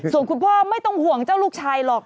ส่วนคุณพ่อไม่ต้องห่วงเจ้าลูกชายหรอก